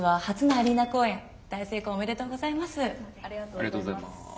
ありがとうございます。